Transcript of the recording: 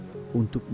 batang kayu besar